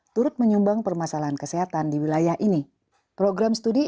turut menyumbang permasalahan kesehatan di wilayah ini